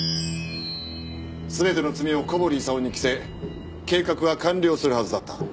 全ての罪を小堀功に着せ計画は完了するはずだった。